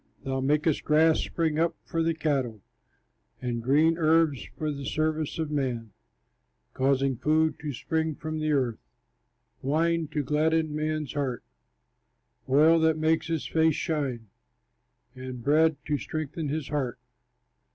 Thou makest grass spring up for the cattle, And green herbs for the service of man, Causing food to spring from the earth, Wine to gladden man's heart, Oil that makes his face shine, And bread to strengthen his heart.